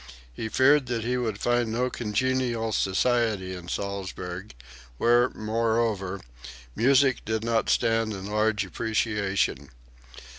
He feared that he "would find no congenial society" in Salzburg, where, moreover, music did not stand in large appreciation.